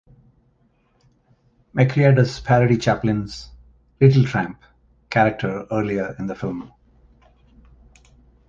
McCrea does parody Chaplin's "Little Tramp" character earlier in the film.